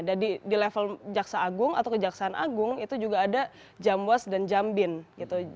jadi di level jaksa agung atau kejaksaan agung itu juga ada jamwas dan jambin gitu